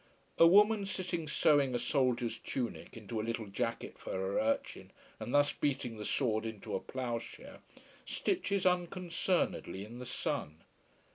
A woman sitting sewing a soldier's tunic into a little jacket for her urchin, and thus beating the sword into a ploughshare, stitches unconcernedly in the sun.